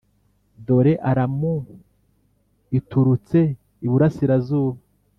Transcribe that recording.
Dore Aramu iturutse iburasirazuba,